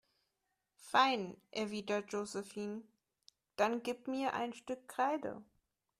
Fein, erwidert Josephine, dann gib mir ein Stück Kreide.